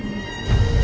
masa yang terbaik